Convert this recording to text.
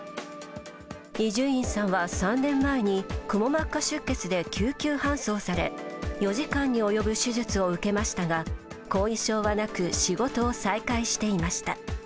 伊集院さんは３年前にくも膜下出血で救急搬送され４時間に及ぶ手術を受けましたが後遺症はなく仕事を再開していました。